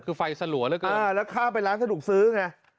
คือไฟสลัวเหลือเกินแล้วข้ามไปร้านสะดวกซื้อไง